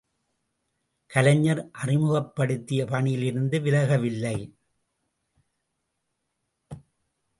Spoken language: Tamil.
கலைஞர் அறிமுகப்படுத்திய பணியிலிருந்து விலக வில்லை.